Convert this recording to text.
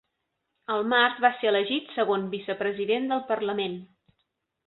Al març va ser elegit segon vicepresident del parlament.